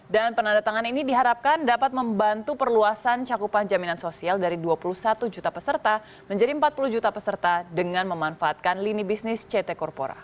dan penandatangan ini diharapkan dapat membantu perluasan cakupan jaminan sosial dari dua puluh satu juta peserta menjadi empat puluh juta peserta dengan memanfaatkan lini bisnis ct corpora